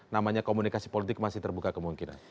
namanya komunikasi politik masih terbuka kemungkinan